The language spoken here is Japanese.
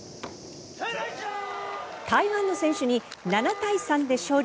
台湾の選手に７対３で勝利。